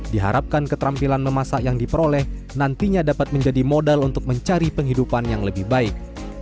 diharapkan keterampilan memasak yang diperoleh nantinya dapat menjadi modal untuk mencari penghidupan yang lebih baik